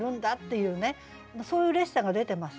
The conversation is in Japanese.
そういううれしさが出てますよね。